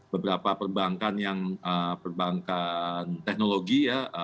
beberapa perbankan yang perbankan teknologi ya